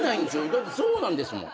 だってそうなんですもん。